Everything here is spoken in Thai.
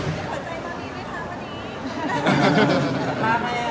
ชอบสั่งที่สำคัญค่ะ